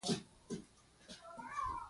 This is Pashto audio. • بخښنه د ښېګڼې عمل دی.